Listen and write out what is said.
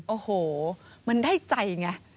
โอ้โหมันได้ใจไง